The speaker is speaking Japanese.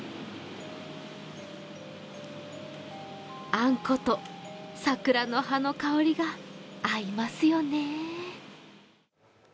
あんこと桜の葉の香りが合いますよね。